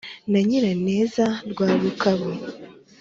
na nyiraneza rwa rukabu